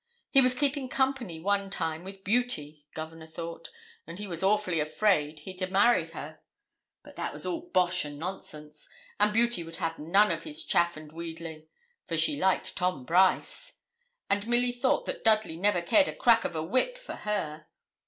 He was 'keeping company one time with Beauty, Governor thought, and he was awfully afraid he'd a married her; but that was all bosh and nonsense; and Beauty would have none of his chaff and wheedling, for she liked Tom Brice;' and Milly thought that Dudley never 'cared a crack of a whip for her.'